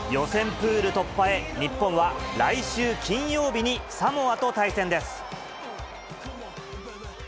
プール突破へ、日本は来週金曜日にサモアと対戦です。